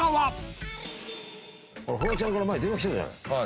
フワちゃんから前電話きたじゃない？